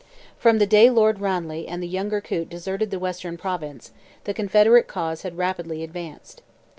From the day Lord Ranelagh and the younger Coote deserted the Western province, the Confederate cause had rapidly advanced.